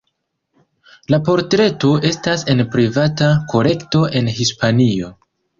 La portreto estas en privata kolekto en Hispanio.